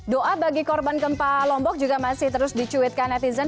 doa bagi korban gempa lombok juga masih terus dicuitkan netizen